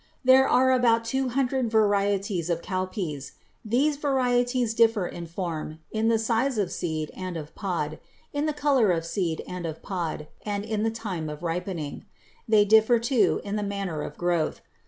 There are about two hundred varieties of cowpeas. These varieties differ in form, in the size of seed and of pod, in the color of seed and of pod, and in the time of ripening. They differ, too, in the manner of growth.